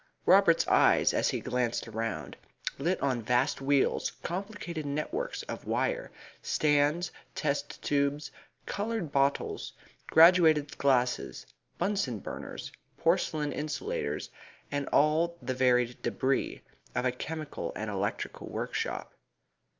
Robert's eyes, as he glanced around, lit on vast wheels, complicated networks of wire, stands, test tubes, coloured bottles, graduated glasses, Bunsen burners, porcelain insulators, and all the varied debris of a chemical and electrical workshop.